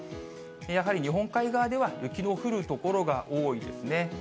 やはり日本海側では雪の降る所が多いですね。